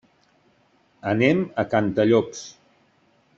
Anem a Cantallops.